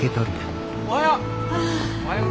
おはよう！